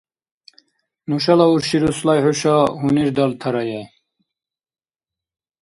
Нушала урши Руслай хӀуша гьунирдалтарая.